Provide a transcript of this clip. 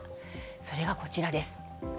それがこちらです。